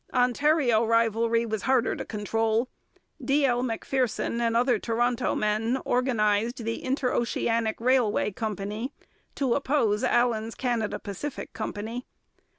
Ontario rivalry was harder to control: D. L. Macpherson and other Toronto men organized the Interoceanic Railway Company to oppose Allan's Canada Pacific Company.